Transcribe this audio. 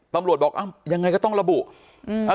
ตำรวจบอกอ้าวยังไงก็ต้องระบุอืม